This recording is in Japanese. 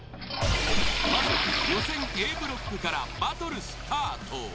まずは予選Ａブロックからバトルスタート！